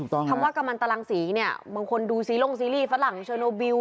ถ้าว่ากำลังตรังศรีบางคนดูซีโรงซีรีส์ฝรั่งเชอโนบิล